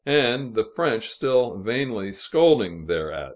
and the French still vainly scolding thereat.